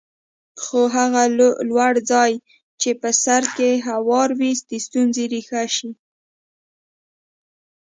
خو هغه لوړ ځای چې په سر کې هوار وي د ستونزې ریښه شي.